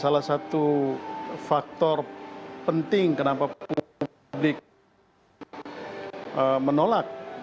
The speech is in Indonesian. salah satu faktor penting kenapa publik menolak